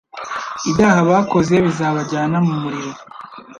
ibyaha bakoze bizabajyana mumuriro